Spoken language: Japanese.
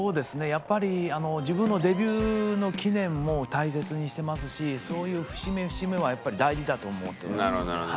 やっぱり自分のデビューの記念も大切にしてますしそういう節目節目はやっぱり大事だと思っております。